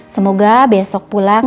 semoga besok pulang